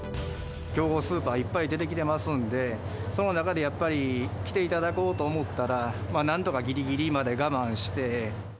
競合スーパー、いっぱい出てきてますんで、その中でやっぱり来ていただこうと思ったら、なんとかぎりぎりまで我慢して。